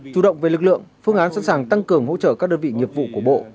chủ động về lực lượng phương án sẵn sàng tăng cường hỗ trợ các đơn vị nghiệp vụ của bộ